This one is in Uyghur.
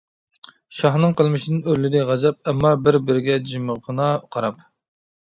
شاھنىڭ قىلمىشىدىن ئۆرلىدى غەزەپ، ئەمما بىر بىرىگە جىمغىنا قاراپ.